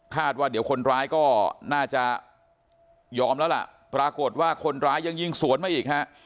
ว่าเดี๋ยวคนร้ายก็น่าจะยอมแล้วล่ะปรากฏว่าคนร้ายยังยิงสวนมาอีกฮะ